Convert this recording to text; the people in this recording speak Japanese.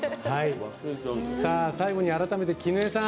最後に改めて、キヌエさん。